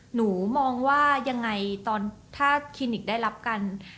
หนูมองว่ายังไงตอนถ้าคลินิกได้รับกัน